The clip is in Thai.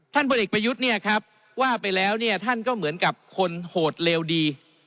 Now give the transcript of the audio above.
พลเอกประยุทธ์เนี่ยครับว่าไปแล้วเนี่ยท่านก็เหมือนกับคนโหดเลวดี